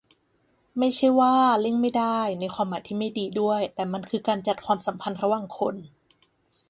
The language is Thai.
ไม่ใช่ว่า "เลี่ยงไม่ได้" ในความหมายที่ไม่ดีด้วย แต่มันคือการจัดความสัมพันธ์ระหว่างคน